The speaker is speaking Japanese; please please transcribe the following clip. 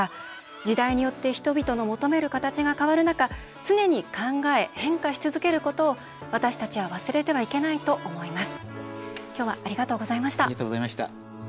時代によって人々の求める形が変わる中常に考え、変化し続けることを私たちは忘れてはいけないと思います。